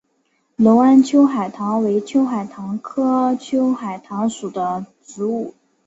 隆安秋海棠为秋海棠科秋海棠属的植物。